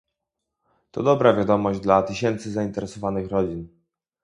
To dobra wiadomość dla tysięcy zainteresowanych rodzin